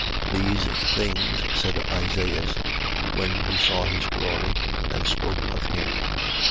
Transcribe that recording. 12:41. These things said Isaias, when he saw his glory, and spoke of him.